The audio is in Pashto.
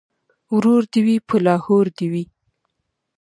ـ ورور دې وي په لاهور دې وي.